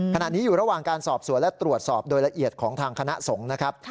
ขณะนี้อยู่ระหว่างการสอบสวนและตรวจสอบโดยละเอียดของทางคณะสงฆ์นะครับ